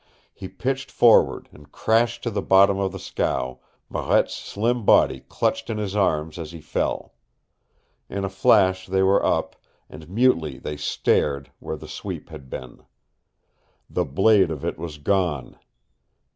He pitched forward and crashed to the bottom of the scow, Marette's slim body clutched in his arms as he fell. In a flash they were up, and mutely they stared where the sweep had been. The blade of it was gone.